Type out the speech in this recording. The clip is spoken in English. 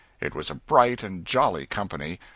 It was a bright and jolly company.